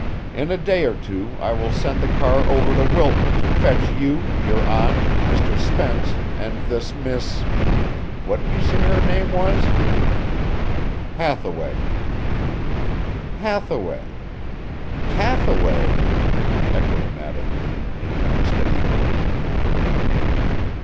In a day or two I will send the car over to Wilton to fetch you, your aunt, Mr. Spence and this Miss what did you say her name was?" "Hathaway." "Hathaway! Hathaway!" echoed Madam Lee in an unsteady voice.